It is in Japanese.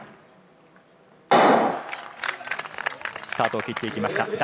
スタートを切っていきました。